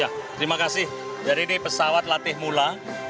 ya terima kasih jadi ini pesawat latih mula